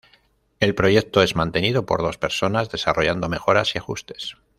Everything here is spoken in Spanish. El proyecto es mantenido por dos personas desarrollando mejoras y ajustes.